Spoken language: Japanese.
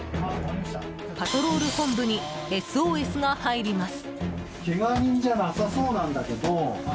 パトロール本部にＳＯＳが入ります。